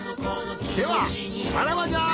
ではさらばじゃ。